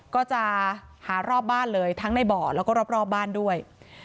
ก็จะหารอบบ้านเลยทั้งในบ่อแล้วก็รอบบ้านด้วย